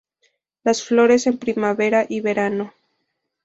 Las flores en primavera y verano.